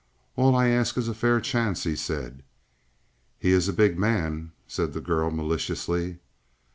"All I ask is a fair chance," he said. "He is a big man," said the girl maliciously.